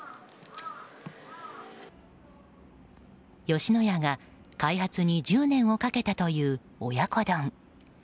吉野家が開発に１０年をかけたという親子丼。